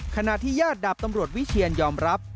ขณะที่ญาติดาบตำรวจวิเชียนยอมรับ